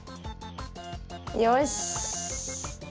よし。